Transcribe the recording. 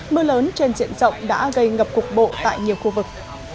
mưa lớn trên diện rộng đã gây ngập cục bộ tại nhiều khu vực